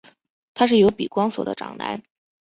他是由比光索的长男。